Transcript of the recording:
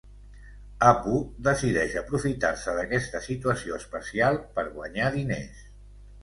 Apu decideix aprofitar-se d'aquesta situació especial per guanyar diners.